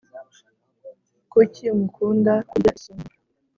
kucyi mukunda kurya isombe